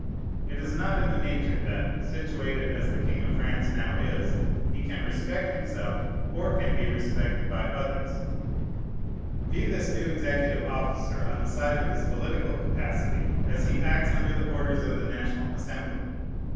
It is not in Nature, that, situated as the king of the French now is, he can respect himself or can be respected by others. View this new executive officer on the side of his political capacity, as he acts under the orders of the National Assembly.